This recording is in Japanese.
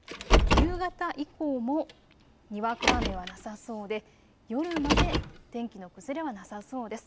夕方以降もにわか雨はなさそうで夜まで天気の崩れはなさそうです。